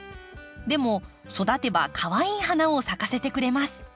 でも育てばかわいい花を咲かせてくれます。